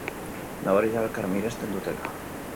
Nabari da elkar miresten dutela.